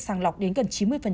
sàng lọc đến gần chín mươi cư dân